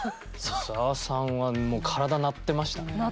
小沢さんはもう鳴ってましたよね？